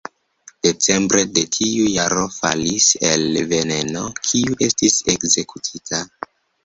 Decembre de tiu jaro falis "el Veneno", kiu estis ekzekutita.